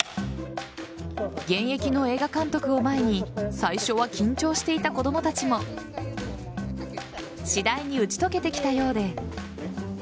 現役の映画監督を前に最初は緊張していた子供たちも次第に打ち解けてきたようで。